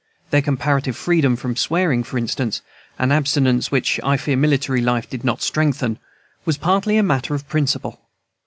Their comparative freedom from swearing, for instance, an abstinence which I fear military life did not strengthen, was partly a matter of principle.